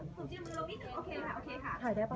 สวัสดีครับ